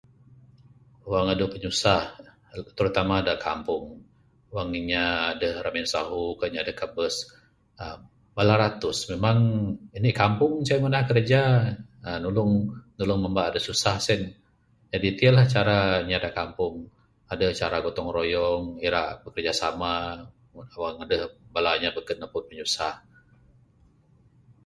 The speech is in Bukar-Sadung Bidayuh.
Wang adeh pinyusah terutama da kampung, wang inya adeh ramin sahu kah deh inya da kabes aaa bala ratus memang ini kampung ceh ngunah kraja uhh nulung nulung mamba da susah sien, jadi ti lah cara inya da kampung, adeh cara gotong royong, ira bekerjasama wang adeh bala inya beken napud pinyusah.